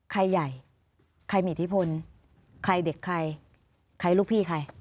ใครใหญ่ใครมีอิทธิพลใครเด็กใครใครลูกพี่ใคร